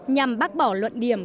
nhằm bác bỏ luận điểm